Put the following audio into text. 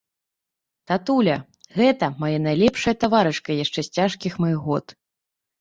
Татуля, гэта мая найлепшая таварышка яшчэ з цяжкіх маіх год.